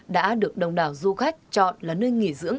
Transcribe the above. đã được đồng đảo du khách chọn là nơi nghỉ dưỡng